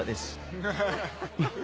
ハハハハ。